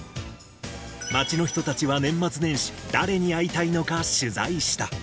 街の人たちは年末年始、誰に会いたいのか、取材した。